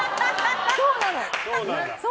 そうなの。